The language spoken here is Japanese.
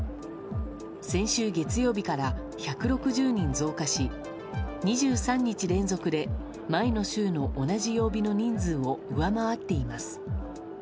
先週月曜日から１６０人増加し２３日連続で前の週の同じ曜日の人数を上回っています。